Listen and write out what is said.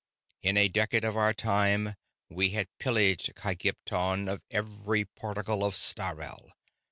In a decade of our time, we had pillaged Kygpton of every particle of Sthalreh.